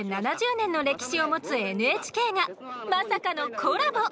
７０年の歴史を持つＮＨＫがまさかのコラボ！